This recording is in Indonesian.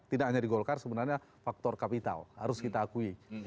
tidak hanya di golkar sebenarnya faktor kapital harus kita akui